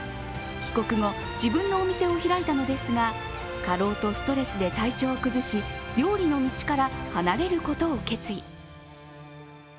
帰国後、自分のお店を開いたのですが、過労とストレスで体調を崩し料理の道から離れることを決意。